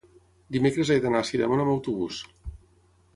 dimecres he d'anar a Sidamon amb autobús.